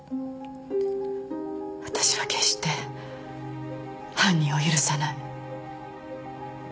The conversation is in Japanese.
私は決して犯人を許さない。